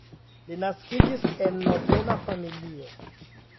Li naskiĝis en nobela familio.